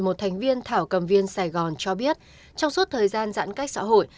một thành viên thảo cầm viên sài gòn cho biết trong suốt thời gian giãn cách xã hội